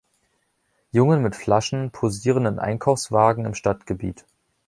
Jungen mit Flaschen posieren in Einkaufswagen im Stadtgebiet.